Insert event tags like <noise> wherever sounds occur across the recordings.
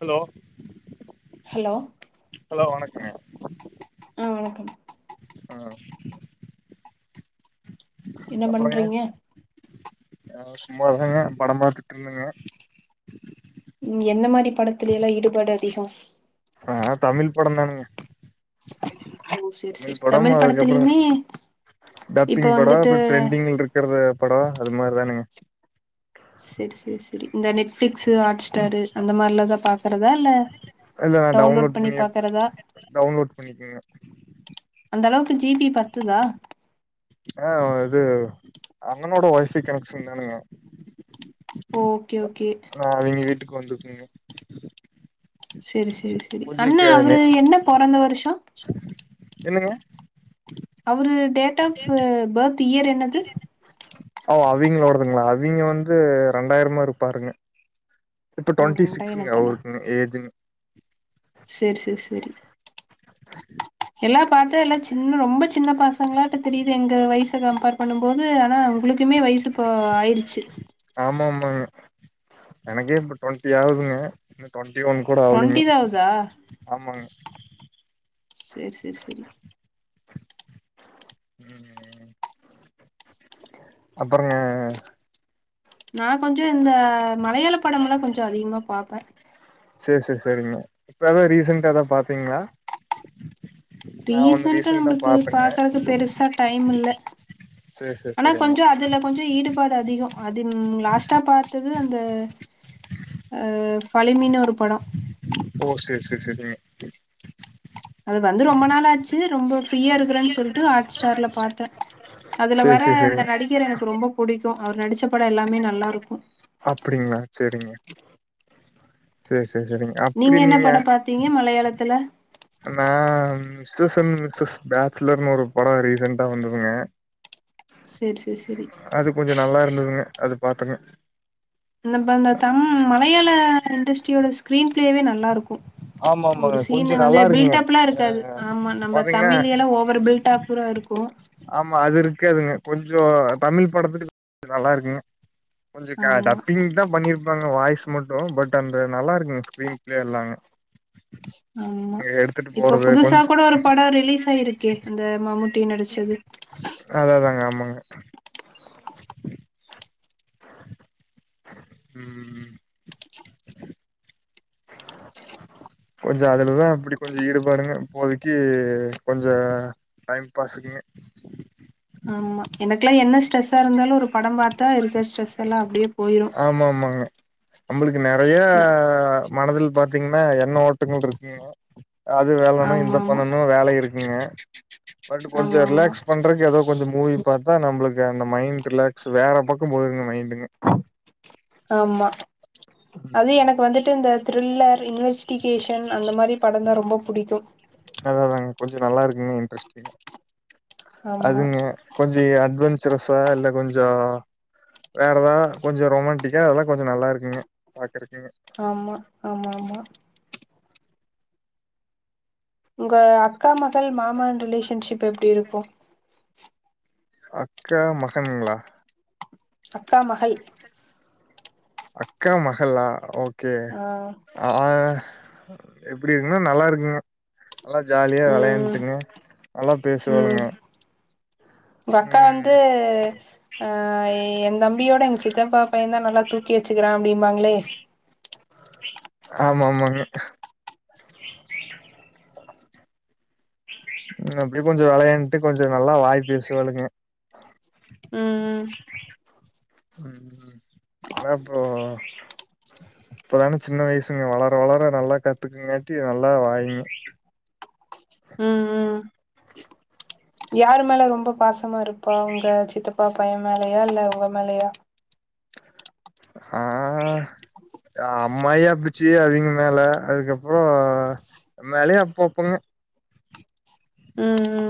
Hello hello hello வணக்கங்கா ஆ வணக்கம் அ என்ன அப்றங்க பண்றீங்க ஆ சும்மாதாங்க படம் பாத்துட்டு இருந்தங்க ம் என்ன மாரி படத்தில எல்லாம் ஈடுபாடு அதிகம் ஆ தமிழ் படம் தானுங்க ஓ சேரி தமிழ் சேரி படம் அதுக்கப்பறம் படத்துலயுமே இப்ப டப்பிங் படம் வந்துட்டு அப்பறம் ட்ரெண்டிங் இருக் க்றது படம் அத மாரிதானுங்க செரி செரி செரி இந்த நெட்ஃபிளிக்ஸு ஹாட்ஸ்டாரு அந்த மாரிலாதா பாக்குறதா இல்ல இல்ல நா டவுன்லோட் பண்ணி டவுன்லோட் பண்ணிக்ங்க அந்த அளவுக்கு ஜிபி பத்துதா ஆ இது அண்ணனோட ஒய்ஃபை கனெக்க்ஷன் தானுங்க ஓகே ஓகே ஆ ஈவினிங் வீட்டுக்கு வந்துருக்கங்க செரி செரி செரி கொஞ்சோ கண்ணா க அவரு நெட் என்ன பொறந்த வருஷம் என்னங்க அவரு date of H birth year என்னது ஓ அவிங்களோடதுங்களா அவங்க வந்து ரெண்டாயிரமா இருப்பாருங்க இப்ப ஓ டுவெண்டி சிக்ஸ்ங்க ரெண்டாயிரத்தானா அவருக்குங்க ஏஜ் செரி செரி செரி எல்லாம் பாத்த எல்லாம் சின்ன ரொம்ப சின்ன பாச் சங்களாட்ட தெரியுது எங்க வயசை கம்பேர் பண்ணும் போது ஆனா உங்களுக்குமே வயசு இப்போ ஆயிடுச்சு ஆமா ஆமாங்க எனக்கே இப்ப ட்வெண்ட்டி ஆகுதுங்க இன்னு ட்வெண்டி ஒன் கூட அவ்ளுங்க டுவெண்ட்டி தா ஆவுதா ஆமாங்க செரி செரி செரி அப்றங்க நான் கொஞ்சம் இந்த மலையாள படம் எல்லாம் கொஞ்சம் அதிகமா பாப்பே செரி செரி செரிங்க இப்ப ஏதா ரீசன்டா எதா பாத்தீங்களா நா ஒன்னு ரீசன்டா ரீசெண்டா நம்மளுக்கு பாத்தங்க பாக்குறக்கு பெருசா டைம் இல்ல சேரி சேரி ஆனா சேரிங்க கொஞ்சம் அதுல கொஞ்சம் ஈடுபாடு அதிகம் அது லாஸ்ட்டா பாத்தது அந்த அ ஃபலிமினு ஒரு படம் ஓ செரி செரி செரி அது வந்து ரொம்ப நாள் ஆச்சு ரொம்ப ஃப்ரீயா இருக்குறன்னு சொல்லிட்டு ஸ்டார்ல பாத்தே அதுல சேரி வர சேரி அந்த சேரிங்க நடிகர் எனக்கு ரொம்போ புடிக்கு அவர் நடிச்ச படோ எல்லாமே நல்லாருக்கு அப்டிங்களா செரிங்க செரி செரி சரிங்க நீங்க என்ன படம் பாத்தீங்க மலையாளத்துல நா ஸீசன் சிக்ஸ் பேச்சுலர்ன்னு ஒரு படோ ரீசன்டா வந்ததுங்க செரி செரி செரி அது கொஞ்சம் நல்லா இருந்ததுங்க அது பாத்தங்க அந்த தம் மலையாள இண்டஸ்ட்ரியோட ஸ்கிரீன் பிளேவே நல்லா இருக்கும் ஆமா ஆமாங்க ஒரு சீன் கொஞ்சோ நல்லா வந்து இருக்குங்க பில்டப்லா ஆ இருக்காது ஆமா நம்ம பாத்தீங்கன்னா தமிழயுலா ஓவர் பில்டப் ப்றா இருக்கும் ஆமா அது இருக்காதுங்க கொஞ்ச தமிழ் படத்துக்கு இது நல்லா இருக்குங்க கொஞ்ச க ஆமா டப்பிங் தா பண்ணிருப்பாங்க வாய்ஸ் மட்டு பட் அந்த நல்லா இருக்குங்க ஸ்கிரீன் பிளே எல்லாமே ஆமா இப்ப போறது புதுசா கொஞ்ச கூட ஒரு படம் ரிலீஸ் ஆயிருக்கே அந்த மம்முட் டி நடிச்சது அதேதாங்க ஆமாங்க ம் கொஞ்ச அதுலதா அப்டி கொஞ்ச ஈடுபாடுங்க இப்போதைக்கி கொஞ்ச டைம்பாஸ்க்குங்க ஆமா எனக்கெல்லா என்ன சொ ஸ்ட்ரெஸ்சா இருந்தாலு ஒருபடம் பாத்தா இருக்க ஸ்ட்ரெஸ் எல்லா அப்டியே போயிரு ஆமா ஆமாங்க நமளுக்கு நெறைய மனதில் பாத்தீங்கன்னா எண்ண ஓட்டங்கள் இருக்குங்க அது ஆமா வேலனு ஆமா இத பண்ணணு வேல இருக்குங்க பட் ஆமா கொஞ்சோ ஆமா ரிலாக்ஸ் பண்றதுக்கு ஏதோ கொஞ்சோ மூவி பாத்தா நம்பளுக்கு அந்த மைண்ட் ரிலாக்ஸ் வேற பக்கோ போயிருங்க மைண்டுங்க ஆமா அது ம். எனக்கு வந்துட்டு இந்த த்ரில்லர் இன்வெஸ் டிகேஷன் அந்த மாரி படம் தா ரொம்ப புடிக்கு அதாதாங்க கொஞ்ச நல்லா இருக்குங்க இன்ட்ரெஸ்ட்டிங்கா ஆமா அதுங்க கொஞ்ச அட்வெஞ்சரஸ்சா இல்ல கொஞ்சோ வேற ஏதா கொஞ்ச ரொமண்டிக்கா அதெல்லா கொஞ்ச நல்லா இருக்குங்க பாக்குறக்குங்க ஆமா ஆமா ஆமா உங்க அக்கா மகள் மாமன் ரிலேஷன்ஷிப் எப்டி இருக்கு <inaudible> அக்கா மகன்ங்ளா அக்கா மகள் அக்கா மகள்லா ஓகே ஆ ஆ எப்டி இருக்குன்னா நல்லா இருக்குங்க நல்லா ஜாலியா ம் விளையாண்டுங்க நல்லா ம் பேசுவனுங்க உங்க அக்கா வந்து ஆ எ தம்பியோட எங்க சித்தப்பா பைய தா நல்லா தூக்கி வச்சுக்றா அப்டிம்பாங்ளே ஆமா ஆமாங்க ம் அப்டி கொஞ்ச வெளையாண்ட்டு கொஞ்சோ நல்லா வாய் பேசுவாளுங்க ம்ம் ம் அத அப்றோ இப்பதானே சின்ன வயசுங்க வளர வளர நல்லா கத்துக்குங்கான்டி நல்லா வாயிங்க ம் ம் யாரு மேல ரொம்ப பாசமா இருப்பா உங்க சித்தப்பா பைய மேலயா இல்ல உங்க மேலயா ஆ அம்மாயி அப்புச்சு அவீங்க மேல அதுக்கப்றோ எ மேலேயு அப்பப்பங்க ம் ம்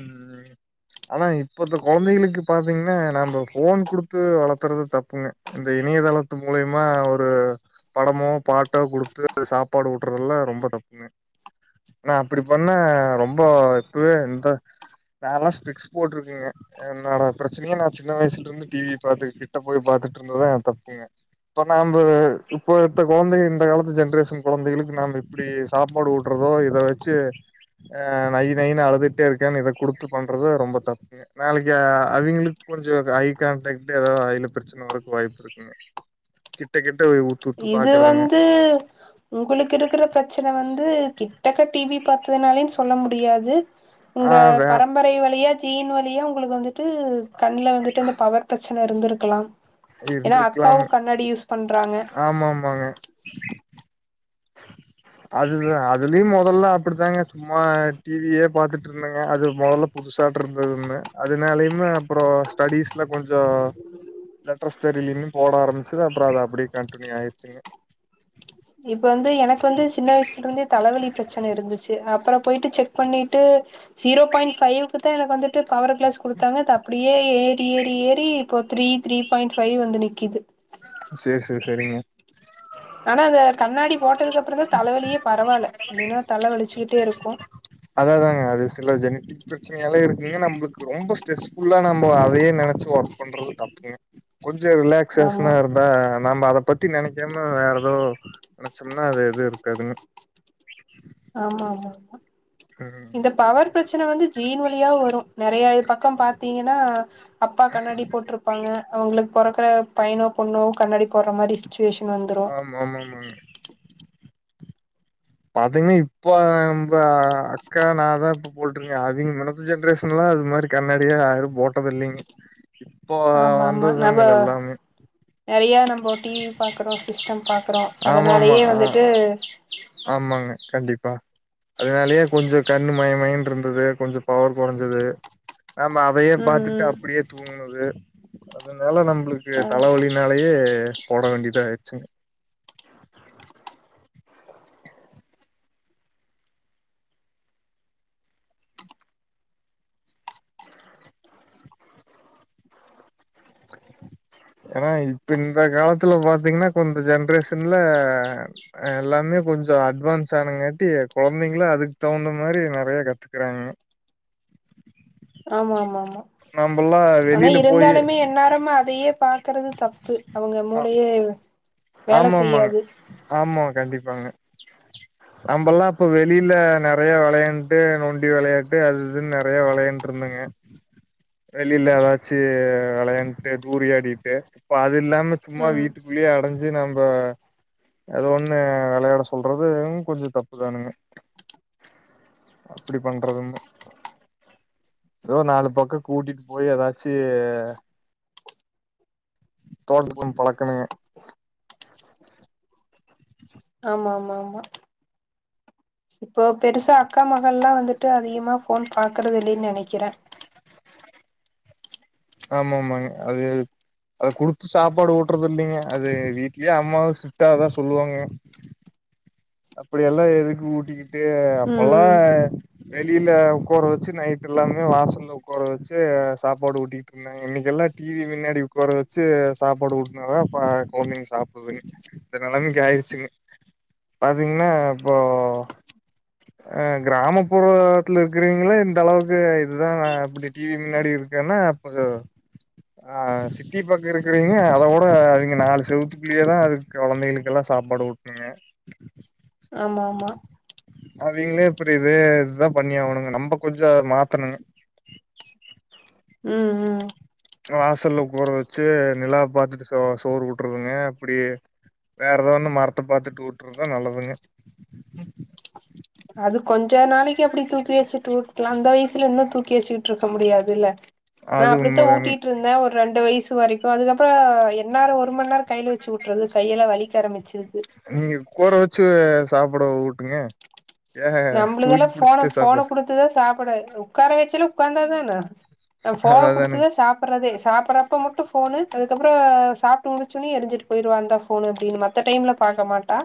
ம் ஆனா இப்பத்த கொழந்தைகளுக்கு பாத்தீங்கன்னா நம்ப ஃபோன் குடுத்து வளர்த்துறது தப்புங்க இந்த இணையதளத்து மூலியமா ஒரு படமோ பாட்டோ குடுத்து சாப்பாடு உட்டுறதெல்லா ரொம்ப தப்புங்க நா அப்படி பண்ணா ரொம்ப இப்பவே இந்த நாலா ஸ்பெக்ஸ் போட்ருக்கங்க என்னோட பிரச்சனையே நா சின்ன வயசுலருந்து டிவி பாத்து கிட்ட போய் பாத்துட்டுருந்ததுதா தப்புங்க இப்ப நம்ப இப்போத்த கொழந்தைங்க இந்த காலத்து ஜென்ரேஷன் கொழந்தைகளுக்கு நாம அப்டியே சாப்பாடு உட்றதோ இத வச்சே நயின்னு அழுதுகிட்டே இருக்கான்னு இத குடுத்து பண்றது ரொம்ப தப்பு நாளைக்கி அவிங்களுக்கு கொஞ்சோ ஐ கான்டாக்ட் ஏதாவது ஐல பிரச்சன வரத்துக்கு வாய்ப்புருக்கு கிட்ட கிட்ட உத்து உத்து பாக்குறதுங்க அ உங்களுக்கு இருக்கற பிரச்சன வந்து கிட்டக்க டி வி பாத்ததுனால சொல்ல முடியாது உங்க ஆ வே பரம்பரை வழியா ஜீன் வழியா உங்களுக்கு வந்துட்டு கண்ல வந்துட்டு அந்த பவர் பிரச்சன இருந்திருக்கலா ஏன்னா அக்காவு இருந்திருக்கலாம் கண்ணாடி யூஸ் பண்றாங்க ஆமா ஆமாங்க அதுதா அதுலயு மொதல்ல அப்படித்தாங்க சும்மா டி வியே பாத்துட்டு இருந்தேங்க அது மொதல் புதுசாட்டுருந்ததுமே அதனாலயுமே அப்புறோ ஸ்டடிஸ்ல கொஞ்சோ லெடர்ஸ் தெரியலன்னனு போட ஆரம்பிச்சி அப்புறோ அது அப்டியே கன்டினியூ ஆயிடுச்சுங்க இப்ப வந்து எனக்கு வந்து சின்ன வயசுல்ருந்தே தலைவலி பிரச்சன இருந்துச்சு அப்புறோ போயிட்டு செக் பண்ணிட்டு ஜீரோ பாயிண்ட் ஃபைவுக்கு தா எனக்கு வந்து ட்டு பவர் கிளாஸ் குடுத்தாங்க தப்படியே ஏறி ஏறி ஏறி இப்போ த்ரீ த்ரீப் பாயிண்ட் ஃபைவ் வந்து நிக்கிது சேர் சேர் செரிங்க ஆனா அந்த கண்ணாடி போட்டதுக்கு அப்புறோ தா தலைவலியே பரவால்ல இல்லன்னா தல வலிச்சக்கிட்டேருக்கு அத அதாங்க அது சில ஜெனிடிக் பிரச்சனையால இருக்குங்க நம்பளுக்கு ரொம்ப ஸ்ட்ரெஸ் ஃபுல்லா நம்போ அதயே நெனைச்சு ஒர்க் பண்றது தப்புங்க கொஞ்சோ ரிலாக்ஸ் ஆமா சேசனா இருக் இப்ப நாம அத பத்தி நெனைக்காம வேற ஏதோ நெனைச்சோம்னா அது எது இருக்காதுன்னு ஆமாமா ஆமா ம் இந்த பவர் பிரச்சன வந்து ஜின் வழியாவு வரு நறைய இது பக்கோ பாத்தீங்கன்னா அப்பா கண்ணாடி போட்ருப்பாங்க அவங்களுக்கு பொறக்குற பையனோ பொண்ணோ கண்ணாடி போடற மாரி சுச்சுவேஷன் வந்துரும் ஆமா ஆமா ஆமாமாங்க அதயுமே இப்போ நம்ப அக்கா நாதா போட்ருங்க அதுங்க நெனச்சிட்ருக்குங்க அது மாரி கண்ணாடியா யாரு போட்டதில்லைங்க இப்போ வந்தது தாங்க இதெல்லாமே நெறையா நம்ம டி வி பாக்குறோ சிஸ்டோ பாக்குறோ ஆமா ஆமா அதனாலயே வந்துட்டு அ ஆமாங்க கண்டிப்பா அதனாலயே கொஞ்சோ கண்ணு மயமயன்னுருந்தது கொஞ்சோ பவர் கொறைஞ்சது நாம அதையே ம் பாத்துட்டு ம் அப்டியே தூங்குனது அதனால நம்பளுக்கு ஆ தலவலின் அதனாலயே போட வேண்டியதாயிடுச்சுங்க ஏங்க இப்ப இந்த காலத் துல பாத்தீங்கன்னா இப்ப இந்த ஜென்ரேஷன்ல எல்லாமே கொஞ்சோ அட்வான்ஸ் ஆனங்காட்டி கொழந்தைங்கள்லா அதுக்கு தகுந்த மாரி நறைய கத்துக்குறாங்க ஆமா ஆமாமா நம்பல்லா ஆனா வெளில போயி இருந்தாலுமே என்னாரமு அதையே பா க்கறது தப்பு அவங்க மூலையே ஆமாமாங்க ஆமா கண்டிப்பாங்க நம்பல்லா இப்ப வெளில நெறைய விளையாண்ட்டு நொண்டி விளையாண்ட்டு அதுஇதுன்னு நெறைய விளையாண்ட்டு இருந்தங்க வெளில ஏதாச்சு விளையாண்ட்டு தூரியாடிட்டு இப்ப அது இல்லாம சும்மா ம் வீட்டுக்குள்ளயே அடைஞ்சு நம்ப ஏதோ ஒண்ணு விளையாட சொல்றது கொஞ்ச தப்பு தானுங்க அப்டி பண்றதுன்தா ஏதோ நாலு பக்கம் கூட்டிட்டு போய் ஏதாச்சி தோட் <unintelligible> பழக்கணுங்க ஆமாமாமா இப்போ பெருசா அக்கா மகள்ல்லா வந்துட்டு அதிக அதிகமா போன் பாக்குறதில்லைனு நெனைக்கிறே ஆமாமாங்க அது அத குடுத்து சாப்பாடு ஊட்டறது இல்லீங்க அது வீட்லயே அம்மாவு ஸ்ட்ரிட்டாதா சொல்லுவாங்க அப்டியெல்லா எதுக்கு ஊட்டிக்கிட்டு ம் அப்பெல்லா ம் வெளில உக்கார வச்சு நைட் எல்லாமே வாசல உட்கார வச்சு சாப்பாடு ஊட்டிட்டு இருந்தாங்க இன்னைக்கெல்லா டிவி முன்னாடி உக்கார வச்சு சாப்பாடு ஊட்டுனாதா கொழந்தைங்க சாப்பிடுதுங்க இந்த நெலமைக்கி ஆயிருச்சுங்க பாத்தீங்ன்னா இப்போ அ கிராமப்புறத்தில இருக்கிறேவங்களே இந்த அளவுக்கு இதுதா நா இப்டி டிவி முன்னாடி இருக்கேன்னா <unintelligible> ஆ சிட்டி பக்கம் இருக்கறீங்க அத விட அவங்க நாலு செவத்துக்குள்ளேயே தா அதுக்கு கொழந்தைகளுக்கெல்லா சாப்பாடு ஊட் <unintelligible> ஆமாமா அவிங்களே அப்றோ இதே இதுதா பண்ணியாகணுங்க நம்ப கொஞ்சோ அத மாத்தணுங்க ம் ம் வாசல்ல உக்கார வச்சு நிலா பாத்துட்டு சோ சோறு ஊட்றதுங்க அப்டியே வேற ஏதோ ஒன்னு மரத்த பாத்துட்டு ஊட்றதுதா நல்லதுங்க அது கொஞ்ச நாளைக்கு அப்டி தூக்கி வச்சுட்டு ஊட்லா அந்த வயசுல இன்னு தூக்கி வச்சுட்டு இருக்க முடியாதுல்ல நா அது அப்டித்தா உண்மதானுங்க. ஊட்டிட்டு இருந்தே ஒரு ரெண்டு வயசு வரைக்கு அதுக்கப்றோ எந்நேரோ ஒரு மண்நேரோ கைல வச்சு ஊட்றது கையெல்லா வலிக்க ஆரம்பிச்சிருது நீங்க உக்கார வச்சு சாப்பிட ஊட்டுங்க ஏங்க தூக்கி புடிச்சுட்டே சாப்பாடு குடுத்தா சாப்பிட வைக்கணு உக்கார வைச்சாலு உக்காந்தா தான நம்ம அது போன்ன அதானுங்க. கொடுத்துதா சாப்பிட சாப்டறதே சாப்டறப்ப மட்டு ஃபோன்னு அதுக்கப்றோ சாப் சாப்பிட்டு முடிச்ச உடனே எரிஞ்சிட்டு போயிருவா இந்தா ஃபோனு அப்பிடின்னு மத்த டைம்ல பார்க்க மாட்டா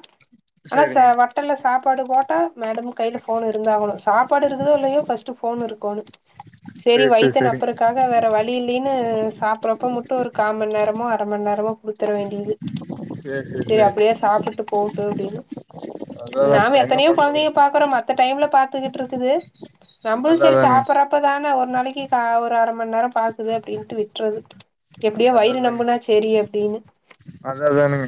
ஆனா சா சரிங்க. ஹோட்டல்ல சாப்பாடு போட்டா மேடம் கைல ஃபோன் இருந்தாகணு சாப்பாடு இருக்குதோ இல்லையோ ஃபர்ஸ்ட் ஃபோன் இருக்கோணு <inaudible> சேரி வைத்த சரிங்க. நெப்பறக்காக வேற வழி இல்லைன்னு சாப்பிடறப்போ மட்டு ஒரு கா மண்நேரமோ அரை மண்நேரமோ கொடு த்தர வேண்டியது சரி, சரி, சேரி சரிங்க. அப்டியே சாப்பிட்டு போட்டு அப்டின்னு அதான் அதான் நாம அப்புறம் என்ன எத்தனையோ பண்றதுங்க. கொழந்தைங்க பாக்குறோ மத்த டைம்ல பாத்துக்கிட்டு இருக்குது நம்மளு அது சேரி அதானுங்க. சாப்பறப்பதானே ஒரு நாளைக்கு கா ஒரு அரை மண்நேரோ பாக்குது அப்டின்ட்டு விட்றது எப்டியோ வயிறு நம்புனா சேரி அப்டின்னு அத அதானுங்க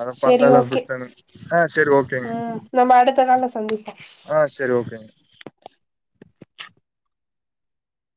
அத சேரி பார்த்தாலா ஓகே அப்டித்தானுங்க ஆ சேரி ஓகே ம் நம்ப அடுத்த கால்ல சந்திப்போ ஆ சேரி ஓகேங்க